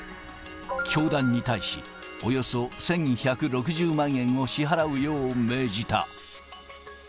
教団に対し、およそ１１６０万円を支払うよう命じた。